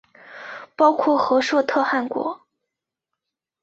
包括和硕特汗国。